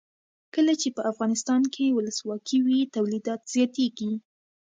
کله چې افغانستان کې ولسواکي وي تولیدات زیاتیږي.